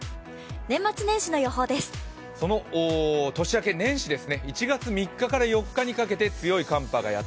年末年始の予報です。